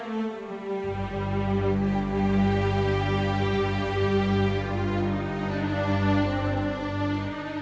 aku mau ke rumah